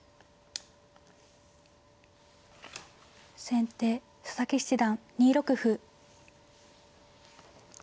先手佐々木七段２六歩。